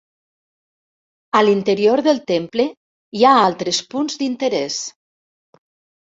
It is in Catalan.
A l'interior del temple hi ha altres punts d'interès.